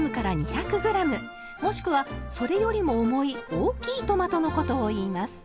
もしくはそれよりも重い大きいトマトのことをいいます。